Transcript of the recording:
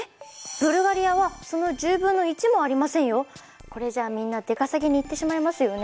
ブルガリアはその１０分の１もありませんよ！これじゃあみんな出稼ぎに行ってしまいますよね。